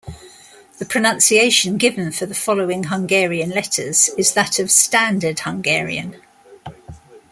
The pronunciation given for the following Hungarian letters is that of "standard Hungarian".